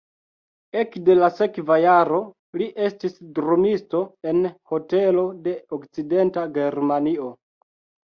Ekde la sekva jaro li estis drumisto en hotelo de Okcidenta Germanio.